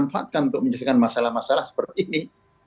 kita harus kita manfaatkan untuk menyelesaikan masalah masalah seperti ini